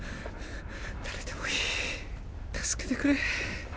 誰でもいい助けてくれ